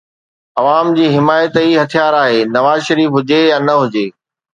عوام جي حمايت ئي هٿيار آهي، نواز شريف هجي يا نه هجي